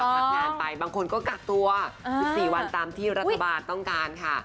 พักงานไปบางคนก็กักตัว๑๔วันตามที่รัฐบาลต้องการค่ะ